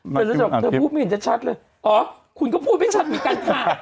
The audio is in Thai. เธอรู้จักเธอพูดไม่เห็นชัดเลยอ๋อคุณก็พูดไม่ชัดเหมือนกันค่ะ